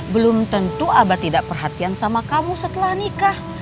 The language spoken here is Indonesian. belum tentu abah tidak perhatian sama kamu setelah nikah